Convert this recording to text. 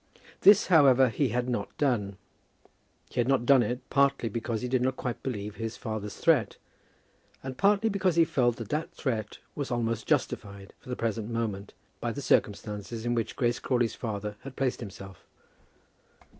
This, however, he had not done. He had not done it, partly because he did not quite believe his father's threat, and partly because he felt that that threat was almost justified, for the present moment, by the circumstances in which Grace Crawley's father had placed himself.